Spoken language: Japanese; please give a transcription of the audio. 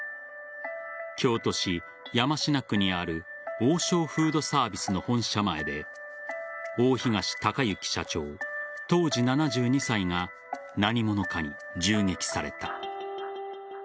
京都市山科区にある王将フードサービスの本社前で大東隆行社長、当時７２歳が何者かに銃撃された。